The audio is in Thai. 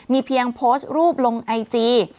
เพียงโพสต์รูปลงไอจี